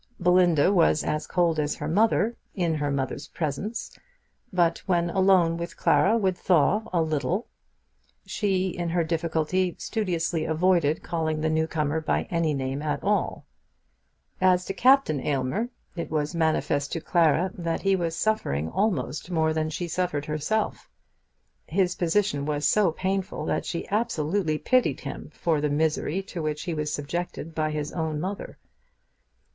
Belinda was as cold as her mother in her mother's presence; but when alone with Clara would thaw a little. She, in her difficulty, studiously avoided calling the new comer by any name at all. As to Captain Aylmer, it was manifest to Clara that he was suffering almost more than she suffered herself. His position was so painful that she absolutely pitied him for the misery to which he was subjected by his own mother.